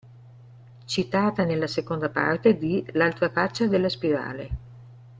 Citata nella seconda parte di L'altra faccia della spirale.